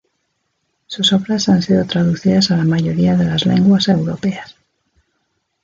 Sus obras han sido traducidas a la mayoría de las lenguas europeas.